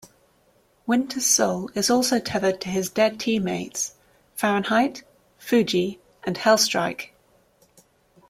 Winter's soul is also tethered to his dead teammates; Fahrenheit, Fuji, and Hellstrike.